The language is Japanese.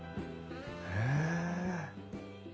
へえ。